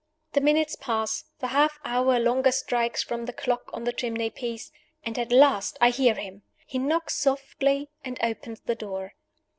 The minutes pass; the half hour longer strikes from the clock on the chimney piece; and at last I hear him! He knocks softly, and opens the door.